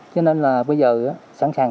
cho nên là bây giờ sẵn sàng